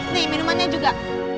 nih minumannya juga